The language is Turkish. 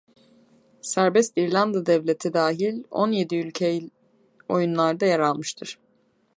Serbest İrlanda Devleti dahil on yedi ülke oyunlarda yer almıştır.